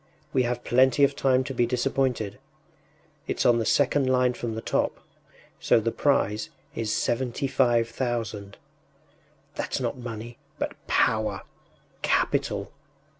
We have plenty of time to be disappointed. It’s on the second line from the top, so the prize is seventy five thousand. That’s not money, but power, capital!